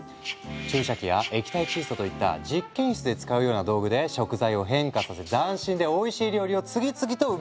注射器や液体窒素といった実験室で使うような道具で食材を変化させ斬新でおいしい料理を次々と生み出したんだ。